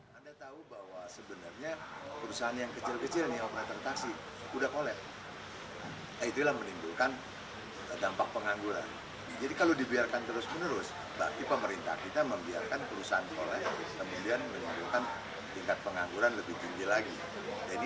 menurut saya tingkat pengangguran lebih tinggi lagi